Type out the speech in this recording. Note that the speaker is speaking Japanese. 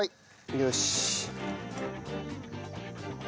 よし。